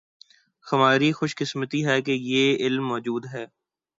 ہماری خوش قسمتی ہے کہ یہ علم موجود ہے